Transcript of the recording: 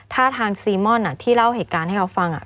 ถ้าทางซีม่อนที่เล่าเหตุการณ์ให้เขาฟัง